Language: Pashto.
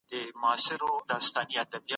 روزنیز پروګرامونه بزګرانو ته جوړېږي.